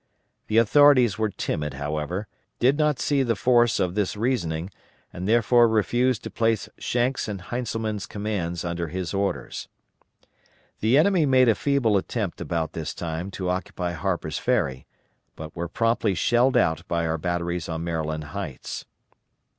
The authorities were timid, however, did not see the force of this reasoning and therefore refused to place Schenck's and Heintzelman's commands under his orders. The enemy made a feeble attempt about this time to occupy Harper's Ferry, but were promptly shelled out by our batteries on Maryland Heights.